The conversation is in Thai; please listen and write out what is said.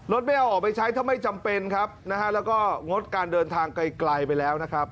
ไม่เอาออกไปใช้ถ้าไม่จำเป็นครับนะฮะแล้วก็งดการเดินทางไกลไปแล้วนะครับ